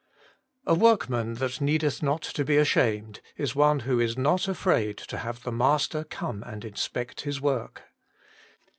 A WORKMAN that needeth not to be ashamed is one who is not afraid to have the master come and inspect his work.